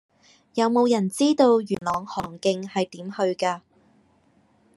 有無人知道元朗海棠徑係點去㗎